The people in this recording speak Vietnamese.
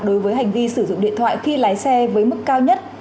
đối với hành vi sử dụng điện thoại khi lái xe với mức cao nhất